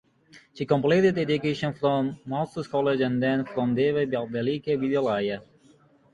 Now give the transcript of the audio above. She completed education from Musaeus College and then from Devi Balika Vidyalaya.